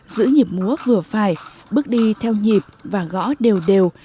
giữ nhịp múa vừa phải bước đi theo nhịp và gõ đều đều